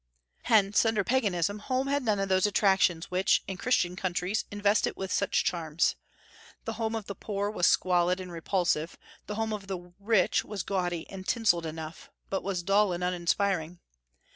Hence under Paganism home had none of those attractions which, in Christian countries, invest it with such charms. The home of the poor was squalid and repulsive; the home of the rich was gaudy and tinselled enough, but was dull and uninspiring.